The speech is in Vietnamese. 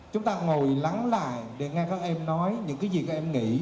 chúng ta ngồi lắng lại để nghe các em nói những cái gì các em nghĩ